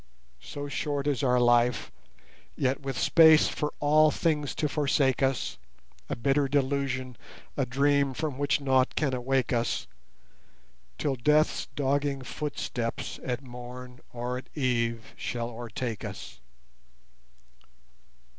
So short is our life; yet with space for all things to forsake us, A bitter delusion, a dream from which nought can awake us, Till Death's dogging footsteps at morn or at eve shall o'ertake us.